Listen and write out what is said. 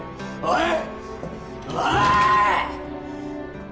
おい！！